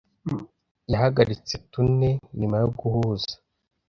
Yahagaritse tune nyuma yo guhuza